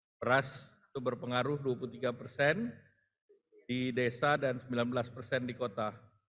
beras itu berpengaruh dua puluh tiga persen di desa dan sembilan belas persen di kota